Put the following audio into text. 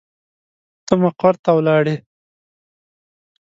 ته مقر ته ولاړې.